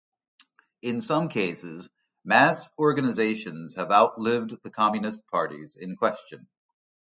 In some cases mass organizations have outlived the Communist parties in question.